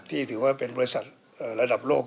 ก็เป็นบริษัทที่ถือว่าเป็นบริษัทระดับโลก